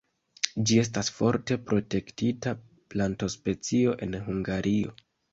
Ĝi estas forte protektita plantospecio en Hungario.